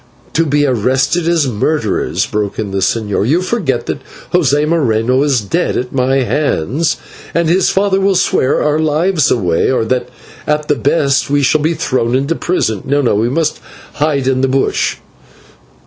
"To be arrested as murderers," broke in the señor. "You forget that José Moreno is dead at my hands, and his father will swear our lives away, or that at the best we shall be thrown into prison. No, no, we must hide in the bush."